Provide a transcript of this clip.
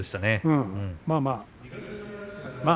まあまあ。